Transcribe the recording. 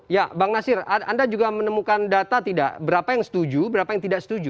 ya bang nasir anda juga menemukan data tidak berapa yang setuju berapa yang tidak setuju